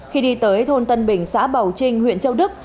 khi đi tới thôn tân bình xã bầu trinh huyện châu đức